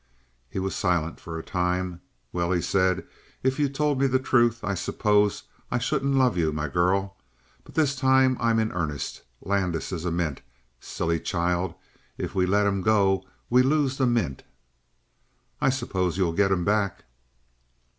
He was silent for a time. "Well," he said, "if you told me the truth I suppose I shouldn't love you, my girl. But this time I'm in earnest. Landis is a mint, silly child. If we let him go we lose the mint." "I suppose you'll get him back?"